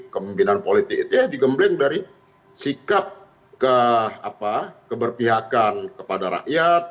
kemimpinan politik itu ya digembleng dari sikap keberpihakan kepada rakyat